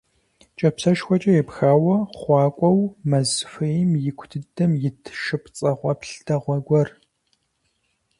Кӏапсэшхуэкӏэ епхауэ хъуакӏуэу, мэз хуейм ику дыдэм итт шы пцӏэгъуэплъ дэгъуэ гуэр.